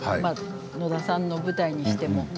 野田さんの舞台にしても。